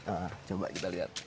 nah coba kita lihat